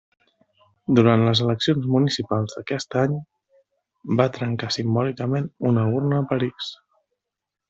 Durant les eleccions municipals d'aquest any va trencar simbòlicament una urna a París.